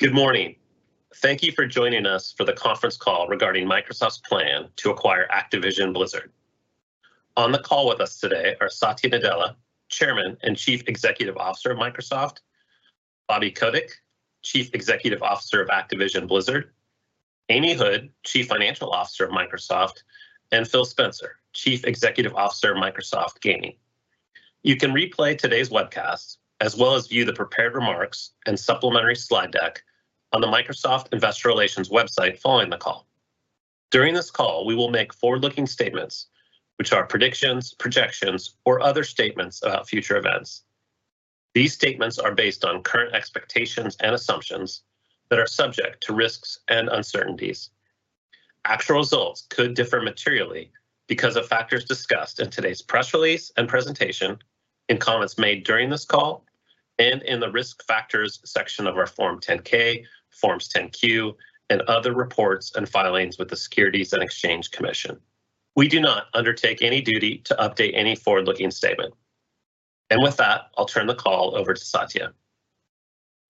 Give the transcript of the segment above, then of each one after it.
Good morning. Thank you for joining us for the conference call regarding Microsoft's plan to acquire Activision Blizzard. On the call with us today are Satya Nadella, Chairman and Chief Executive Officer of Microsoft, Bobby Kotick, Chief Executive Officer of Activision Blizzard, Amy Hood, Chief Financial Officer of Microsoft, and Phil Spencer, Chief Executive Officer of Microsoft Gaming. You can replay today's webcast, as well as view the prepared remarks and supplementary slide deck on the Microsoft Investor Relations website following the call. During this call, we will make forward-looking statements, which are predictions, projections, or other statements about future events. These statements are based on current expectations and assumptions that are subject to risks and uncertainties. Actual results could differ materially because of factors discussed in today's press release and presentation, in comments made during this call, and in the Risk Factors section of our Form 10-K, Forms 10-Q, and other reports and filings with the Securities and Exchange Commission. We do not undertake any duty to update any forward-looking statement. With that, I'll turn the call over to Satya.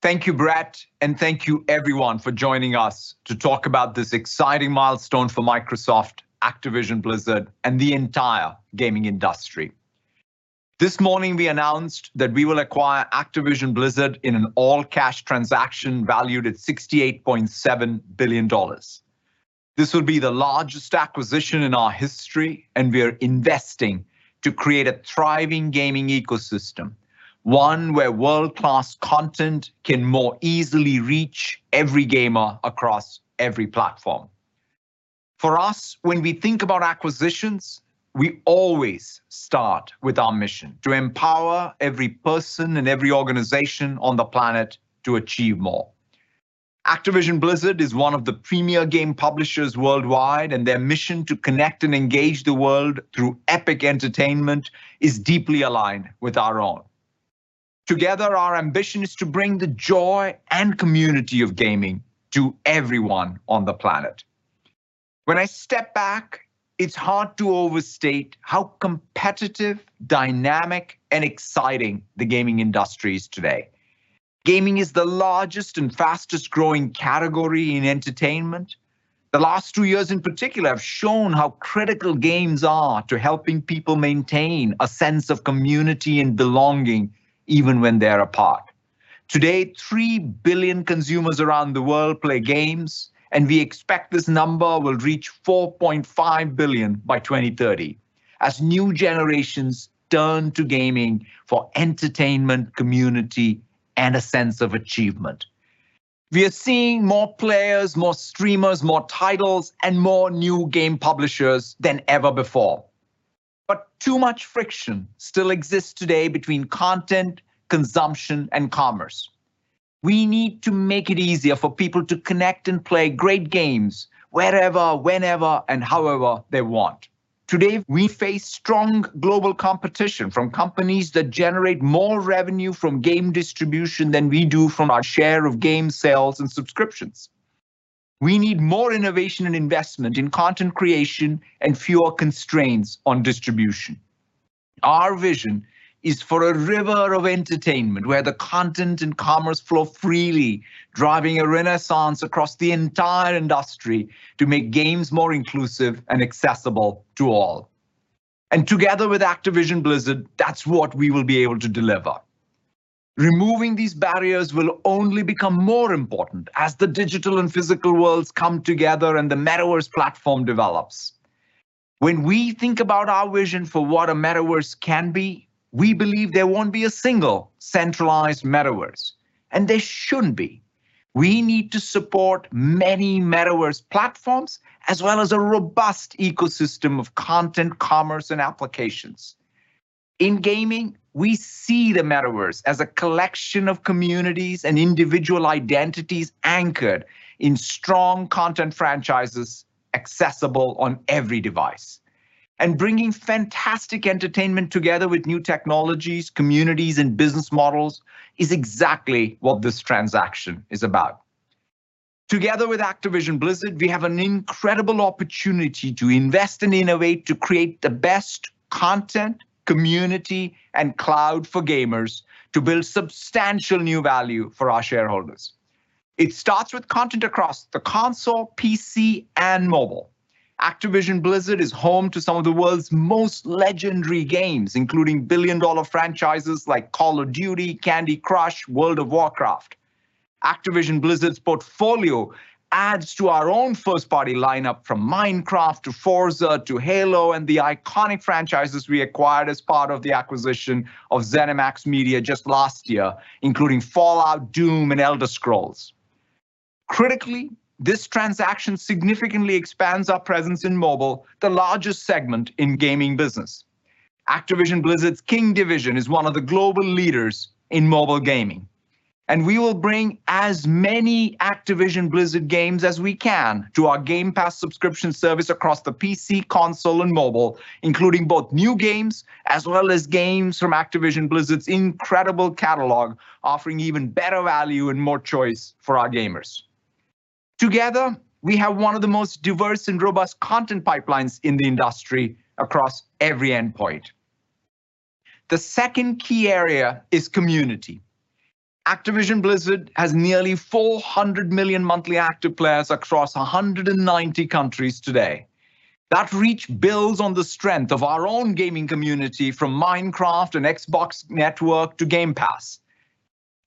Thank you, Brett, and thank you everyone for joining us to talk about this exciting milestone for Microsoft, Activision Blizzard, and the entire gaming industry. This morning we announced that we will acquire Activision Blizzard in an all-cash transaction valued at $68.7 billion. This will be the largest acquisition in our history, and we are investing to create a thriving gaming ecosystem, one where world-class content can more easily reach every gamer across every platform. For us, when we think about acquisitions, we always start with our mission to empower every person and every organization on the planet to achieve more. Activision Blizzard is one of the premier game publishers worldwide and their mission to connect and engage the world through epic entertainment is deeply aligned with our own. Together, our ambition is to bring the joy and community of gaming to everyone on the planet. When I step back, it's hard to overstate how competitive, dynamic, and exciting the gaming industry is today. Gaming is the largest and fastest growing category in entertainment. The last two years in particular have shown how critical games are to helping people maintain a sense of community and belonging even when they are apart. Today, 3 billion consumers around the world play games, and we expect this number will reach 4.5 billion by 2030, as new generations turn to gaming for entertainment, community, and a sense of achievement. We are seeing more players, more streamers, more titles, and more new game publishers than ever before. Too much friction still exists today between content, consumption, and commerce. We need to make it easier for people to connect and play great games wherever, whenever, and however they want. Today, we face strong global competition from companies that generate more revenue from game distribution than we do from our share of game sales and subscriptions. We need more innovation and investment in content creation and fewer constraints on distribution. Our vision is for a river of entertainment where the content and commerce flow freely, driving a renaissance across the entire industry to make games more inclusive and accessible to all. Together with Activision Blizzard, that's what we will be able to deliver. Removing these barriers will only become more important as the digital and physical worlds come together and the metaverse platform develops. When we think about our vision for what a metaverse can be, we believe there won't be a single centralized metaverse, and there shouldn't be. We need to support many metaverse platforms as well as a robust ecosystem of content, commerce, and applications. In gaming, we see the metaverse as a collection of communities and individual identities anchored in strong content franchises accessible on every device. Bringing fantastic entertainment together with new technologies, communities, and business models is exactly what this transaction is about. Together with Activision Blizzard, we have an incredible opportunity to invest and innovate to create the best content, community, and cloud for gamers to build substantial new value for our shareholders. It starts with content across the console, PC, and mobile. Activision Blizzard is home to some of the world's most legendary games, including billion-dollar franchises like Call of Duty, Candy Crush, World of Warcraft. Activision Blizzard's portfolio adds to our own first-party lineup from Minecraft to Forza to Halo, and the iconic franchises we acquired as part of the acquisition of ZeniMax Media just last year, including Fallout, Doom, and Elder Scrolls. Critically, this transaction significantly expands our presence in mobile, the largest segment in gaming business. Activision Blizzard's King Division is one of the global leaders in mobile gaming, and we will bring as many Activision Blizzard games as we can to our Game Pass subscription service across the PC, console, and mobile, including both new games as well as games from Activision Blizzard's incredible catalog, offering even better value and more choice for our gamers. Together, we have one of the most diverse and robust content pipelines in the industry across every endpoint. The second key area is community. Activision Blizzard has nearly 400 million monthly active players across 190 countries today. That reach builds on the strength of our own gaming community from Minecraft and Xbox Network to Game Pass.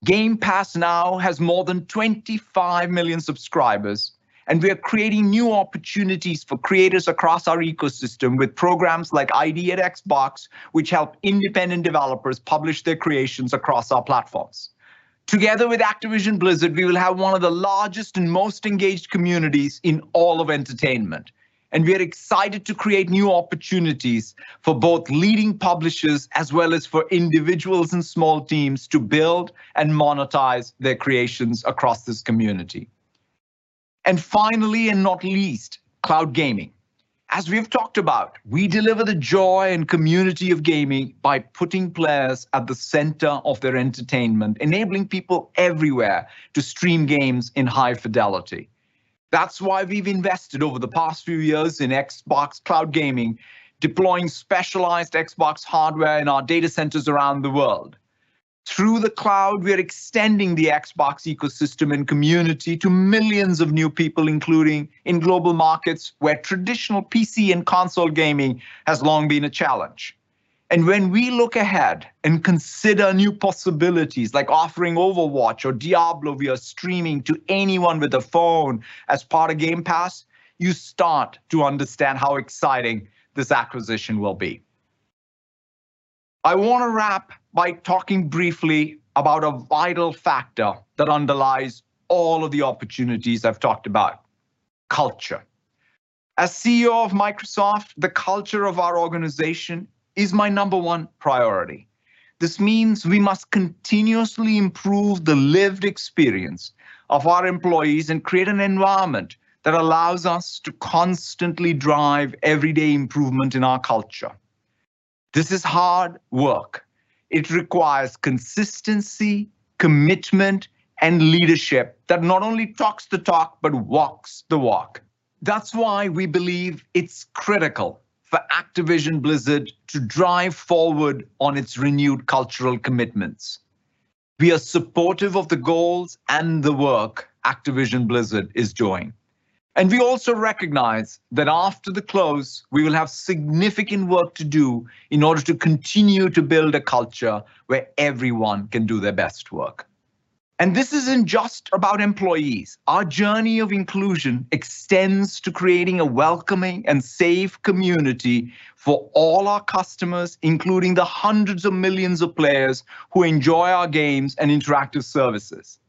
Game Pass now has more than 25 million subscribers, and we are creating new opportunities for creators across our ecosystem with programs like ID@Xbox, which help independent developers publish their creations across our platforms. Together with Activision Blizzard, we will have one of the largest and most engaged communities in all of entertainment, and we are excited to create new opportunities for both leading publishers as well as for individuals and small teams to build and monetize their creations across this community. Finally and not least, cloud gaming. As we've talked about, we deliver the joy and community of gaming by putting players at the center of their entertainment, enabling people everywhere to stream games in high fidelity. That's why we've invested over the past few years in Xbox Cloud Gaming, deploying specialized Xbox hardware in our data centers around the world. Through the cloud, we are extending the Xbox ecosystem and community to millions of new people, including in global markets where traditional PC and console gaming has long been a challenge. When we look ahead and consider new possibilities, like offering Overwatch or Diablo via streaming to anyone with a phone as part of Game Pass, you start to understand how exciting this acquisition will be. I wanna wrap by talking briefly about a vital factor that underlies all of the opportunities I've talked about, culture. As CEO of Microsoft, the culture of our organization is my number one priority. This means we must continuously improve the lived experience of our employees and create an environment that allows us to constantly drive everyday improvement in our culture. This is hard work. It requires consistency, commitment, and leadership that not only talks the talk but walks the walk. That's why we believe it's critical for Activision Blizzard to drive forward on its renewed cultural commitments. We are supportive of the goals and the work Activision Blizzard is doing. We also recognize that after the close, we will have significant work to do in order to continue to build a culture where everyone can do their best work. This isn't just about employees. Our journey of inclusion extends to creating a welcoming and safe community for all our customers, including the hundreds of millions of players who enjoy our games and interactive services.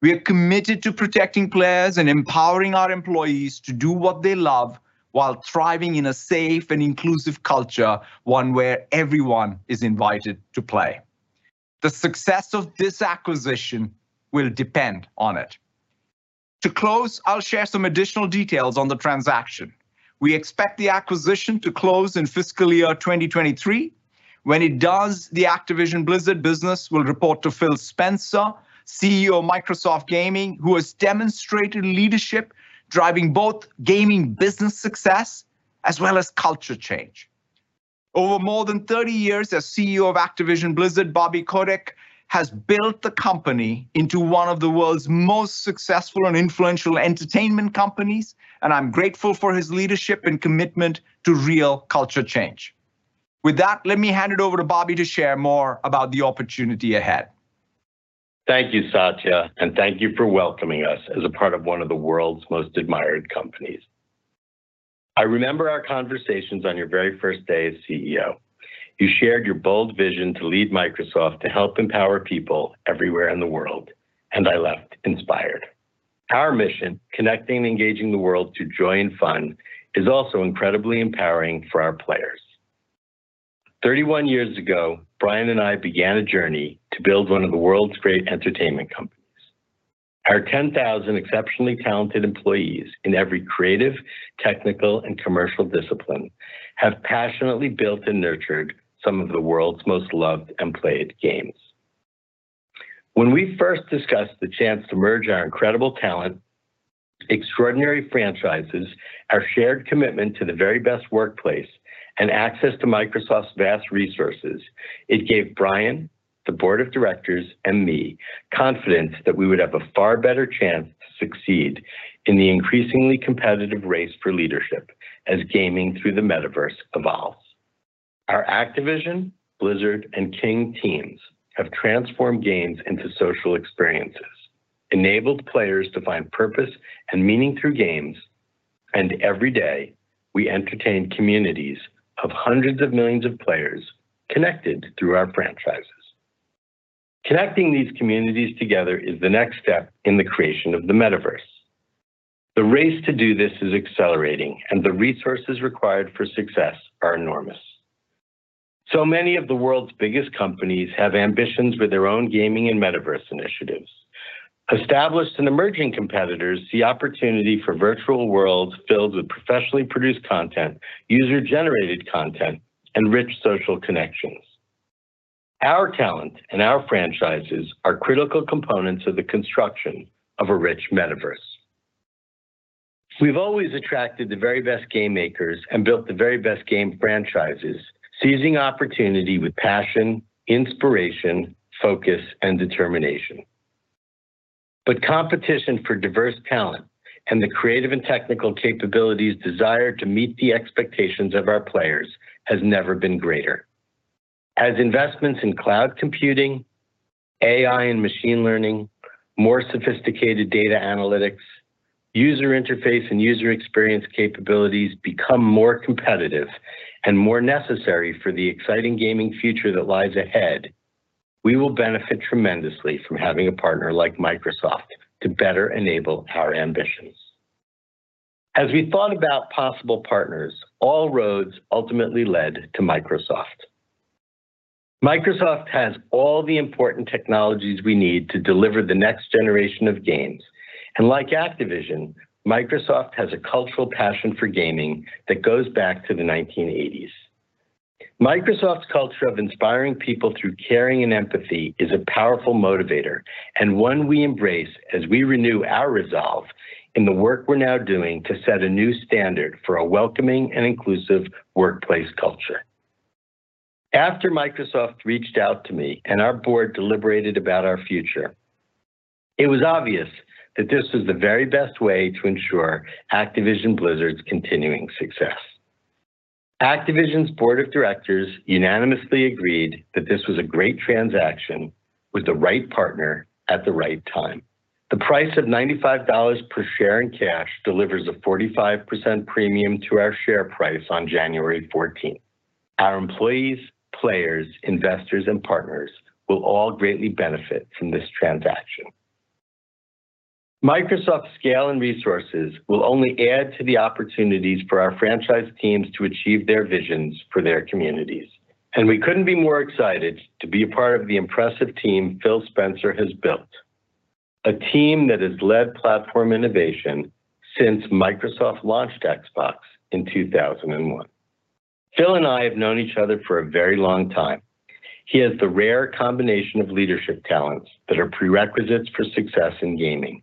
We are committed to protecting players and empowering our employees to do what they love while thriving in a safe and inclusive culture, one where everyone is invited to play. The success of this acquisition will depend on it. To close, I'll share some additional details on the transaction. We expect the acquisition to close in fiscal year 2023. When it does, the Activision Blizzard business will report to Phil Spencer, CEO of Microsoft Gaming, who has demonstrated leadership driving both gaming business success as well as culture change. Over more than 30 years as CEO of Activision Blizzard, Bobby Kotick has built the company into one of the world's most successful and influential entertainment companies, and I'm grateful for his leadership and commitment to real culture change. With that, let me hand it over to Bobby to share more about the opportunity ahead. Thank you, Satya, and thank you for welcoming us as a part of one of the world's most admired companies. I remember our conversations on your very first day as CEO. You shared your bold vision to lead Microsoft to help empower people everywhere in the world, and I left inspired. Our mission, connecting and engaging the world to joy and fun, is also incredibly empowering for our players. 31 years ago, Brian and I began a journey to build one of the world's great entertainment companies. Our 10,000 exceptionally talented employees in every creative, technical, and commercial discipline have passionately built and nurtured some of the world's most loved and played games. When we first discussed the chance to merge our incredible talent, extraordinary franchises, our shared commitment to the very best workplace, and access to Microsoft's vast resources, it gave Brian, the board of directors, and me confidence that we would have a far better chance to succeed in the increasingly competitive race for leadership as gaming through the metaverse evolves. Our Activision, Blizzard, and King teams have transformed games into social experiences, enabled players to find purpose and meaning through games, and every day we entertain communities of hundreds of millions of players connected through our franchises. Connecting these communities together is the next step in the creation of the metaverse. The race to do this is accelerating, and the resources required for success are enormous. Many of the world's biggest companies have ambitions with their own gaming and metaverse initiatives. Established and emerging competitors see opportunity for virtual worlds filled with professionally produced content, user-generated content, and rich social connections. Our talent and our franchises are critical components of the construction of a rich metaverse. We've always attracted the very best game makers and built the very best game franchises, seizing opportunity with passion, inspiration, focus, and determination. Competition for diverse talent and the creative and technical capabilities desired to meet the expectations of our players has never been greater. As investments in cloud computing, AI and machine learning, more sophisticated data analytics, user interface, and user experience capabilities become more competitive and more necessary for the exciting gaming future that lies ahead, we will benefit tremendously from having a partner like Microsoft to better enable our ambitions. As we thought about possible partners, all roads ultimately led to Microsoft. Microsoft has all the important technologies we need to deliver the next generation of games. Like Activision, Microsoft has a cultural passion for gaming that goes back to the 1980s. Microsoft's culture of inspiring people through caring and empathy is a powerful motivator, and one we embrace as we renew our resolve in the work we're now doing to set a new standard for a welcoming and inclusive workplace culture. After Microsoft reached out to me and our board deliberated about our future, it was obvious that this was the very best way to ensure Activision Blizzard's continuing success. Activision's board of directors unanimously agreed that this was a great transaction with the right partner at the right time. The price of $95 per share in cash delivers a 45% premium to our share price on January 14th. Our employees, players, investors, and partners will all greatly benefit from this transaction. Microsoft's scale and resources will only add to the opportunities for our franchise teams to achieve their visions for their communities, and we couldn't be more excited to be a part of the impressive team Phil Spencer has built, a team that has led platform innovation since Microsoft launched Xbox in 2001. Phil and I have known each other for a very long time. He has the rare combination of leadership talents that are prerequisites for success in gaming.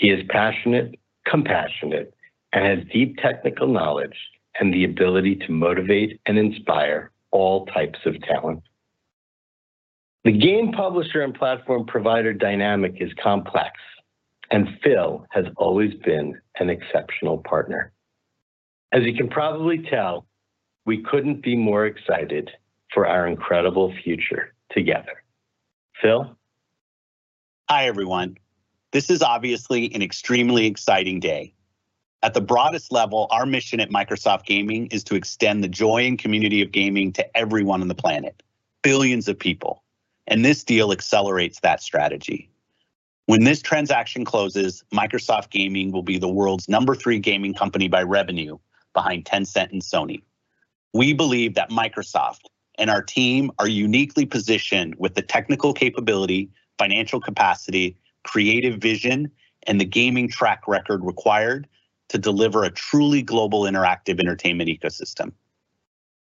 He is passionate, compassionate, and has deep technical knowledge, and the ability to motivate and inspire all types of talent. The game publisher and platform provider dynamic is complex, and Phil has always been an exceptional partner. As you can probably tell, we couldn't be more excited for our incredible future together. Phil? Hi, everyone. This is obviously an extremely exciting day. At the broadest level, our mission at Microsoft Gaming is to extend the joy and community of gaming to everyone on the planet, billions of people, and this deal accelerates that strategy. When this transaction closes, Microsoft Gaming will be the world's number 3 gaming company by revenue behind Tencent and Sony. We believe that Microsoft and our team are uniquely positioned with the technical capability, financial capacity, creative vision, and the gaming track record required to deliver a truly global interactive entertainment ecosystem.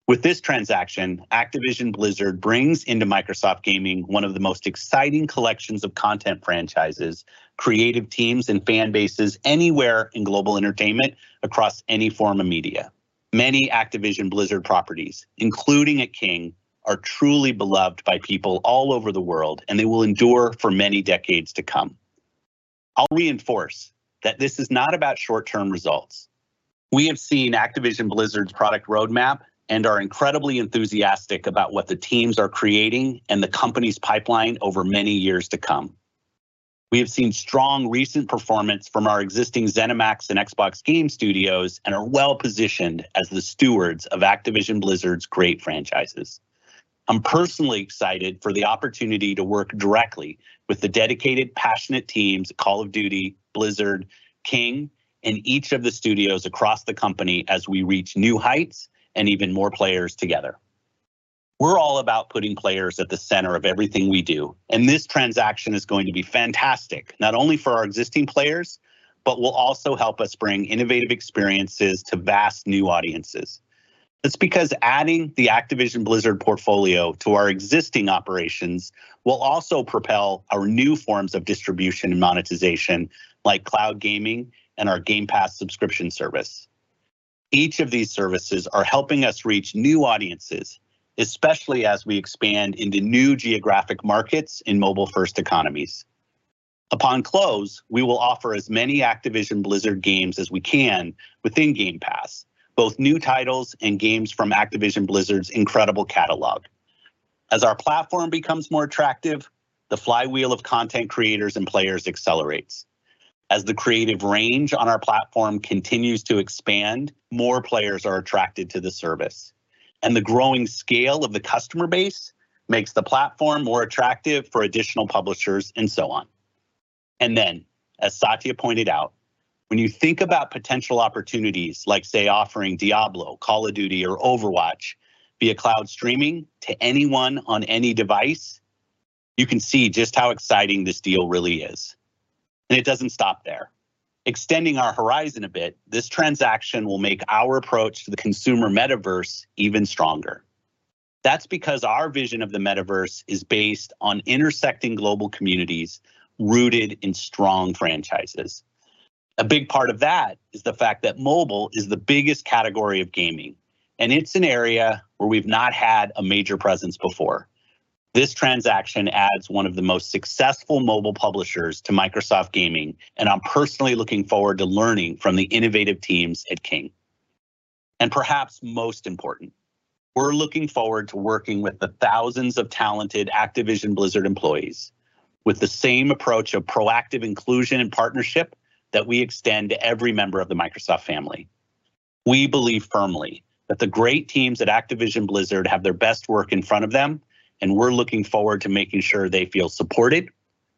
With this transaction, Activision Blizzard brings into Microsoft Gaming one of the most exciting collections of content franchises, creative teams, and fan bases anywhere in global entertainment across any form of media. Many Activision Blizzard properties, including at King, are truly beloved by people all over the world, and they will endure for many decades to come. I'll reinforce that this is not about short-term results. We have seen Activision Blizzard's product roadmap and are incredibly enthusiastic about what the teams are creating and the company's pipeline over many years to come. We have seen strong recent performance from our existing ZeniMax and Xbox Game Studios and are well-positioned as the stewards of Activision Blizzard's great franchises. I'm personally excited for the opportunity to work directly with the dedicated, passionate teams at Call of Duty, Blizzard, King, and each of the studios across the company as we reach new heights and even more players together. We're all about putting players at the center of everything we do, and this transaction is going to be fantastic, not only for our existing players, but will also help us bring innovative experiences to vast new audiences. That's because adding the Activision Blizzard portfolio to our existing operations will also propel our new forms of distribution and monetization, like cloud gaming and our Game Pass subscription service. Each of these services are helping us reach new audiences, especially as we expand into new geographic markets in mobile-first economies. Upon close, we will offer as many Activision Blizzard games as we can within Game Pass, both new titles and games from Activision Blizzard's incredible catalog. As our platform becomes more attractive, the flywheel of content creators and players accelerates. As the creative range on our platform continues to expand, more players are attracted to the service, and the growing scale of the customer base makes the platform more attractive for additional publishers, and so on. As Satya pointed out, when you think about potential opportunities like, say, offering Diablo, Call of Duty, or Overwatch via cloud streaming to anyone on any device, you can see just how exciting this deal really is. It doesn't stop there. Extending our horizon a bit, this transaction will make our approach to the consumer metaverse even stronger. That's because our vision of the metaverse is based on intersecting global communities rooted in strong franchises. A big part of that is the fact that mobile is the biggest category of gaming, and it's an area where we've not had a major presence before. This transaction adds one of the most successful mobile publishers to Microsoft Gaming, and I'm personally looking forward to learning from the innovative teams at King. Perhaps most important, we're looking forward to working with the thousands of talented Activision Blizzard employees with the same approach of proactive inclusion and partnership that we extend to every member of the Microsoft family. We believe firmly that the great teams at Activision Blizzard have their best work in front of them, and we're looking forward to making sure they feel supported,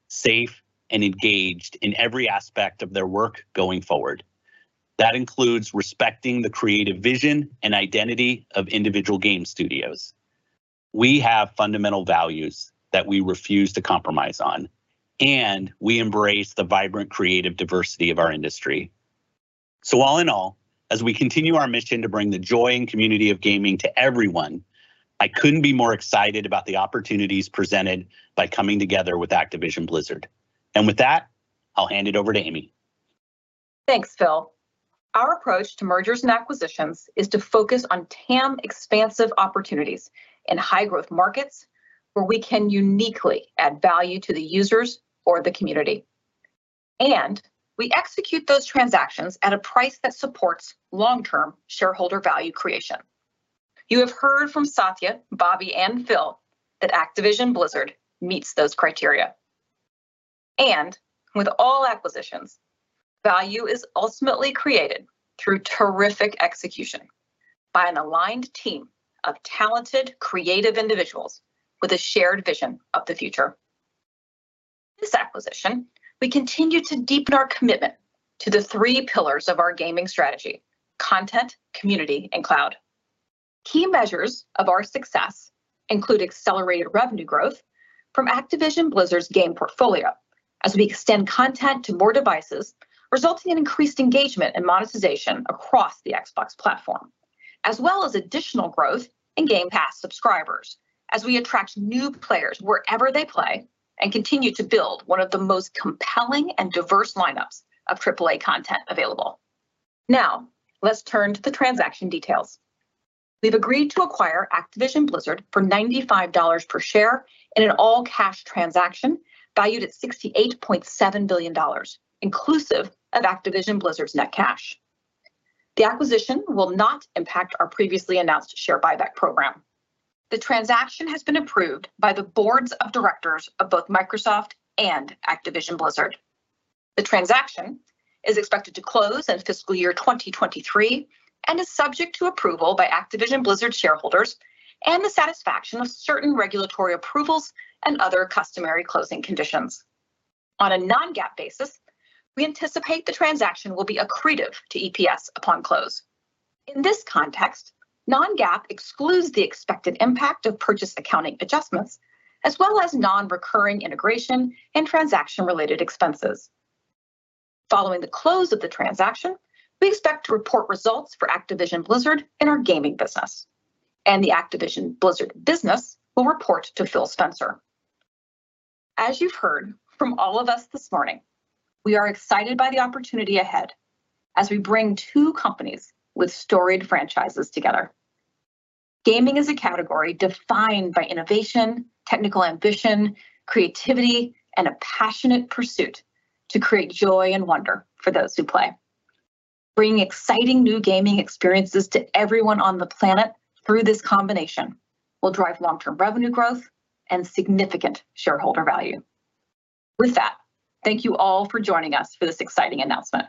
safe, and engaged in every aspect of their work going forward. That includes respecting the creative vision and identity of individual game studios. We have fundamental values that we refuse to compromise on, and we embrace the vibrant creative diversity of our industry. All in all, as we continue our mission to bring the joy and community of gaming to everyone, I couldn't be more excited about the opportunities presented by coming together with Activision Blizzard. With that, I'll hand it over to Amy. Thanks, Phil. Our approach to mergers and acquisitions is to focus on TAM expansive opportunities in high-growth markets where we can uniquely add value to the users or the community. We execute those transactions at a price that supports long-term shareholder value creation. You have heard from Satya, Bobby, and Phil that Activision Blizzard meets those criteria. With all acquisitions, value is ultimately created through terrific execution by an aligned team of talented, creative individuals with a shared vision of the future. This acquisition, we continue to deepen our commitment to the three pillars of our gaming strategy, content, community, and cloud. Key measures of our success include accelerated revenue growth from Activision Blizzard's game portfolio as we extend content to more devices, resulting in increased engagement and monetization across the Xbox platform, as well as additional growth in Game Pass subscribers as we attract new players wherever they play and continue to build one of the most compelling and diverse lineups of AAA content available. Now, let's turn to the transaction details. We've agreed to acquire Activision Blizzard for $95 per share in an all-cash transaction valued at $68.7 billion, inclusive of Activision Blizzard's net cash. The acquisition will not impact our previously announced share buyback program. The transaction has been approved by the boards of directors of both Microsoft and Activision Blizzard. The transaction is expected to close in fiscal year 2023 and is subject to approval by Activision Blizzard shareholders and the satisfaction of certain regulatory approvals and other customary closing conditions. On a non-GAAP basis, we anticipate the transaction will be accretive to EPS upon close. In this context, non-GAAP excludes the expected impact of purchase accounting adjustments, as well as non-recurring integration and transaction-related expenses. Following the close of the transaction, we expect to report results for Activision Blizzard in our gaming business, and the Activision Blizzard business will report to Phil Spencer. As you've heard from all of us this morning, we are excited by the opportunity ahead as we bring two companies with storied franchises together. Gaming is a category defined by innovation, technical ambition, creativity, and a passionate pursuit to create joy and wonder for those who play. Bringing exciting new gaming experiences to everyone on the planet through this combination will drive long-term revenue growth and significant shareholder value. With that, thank you all for joining us for this exciting announcement.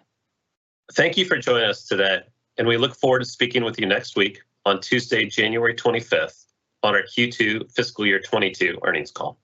Thank you for joining us today, and we look forward to speaking with you next week on Tuesday, January 25th, on our Q2 fiscal year 2022 earnings call.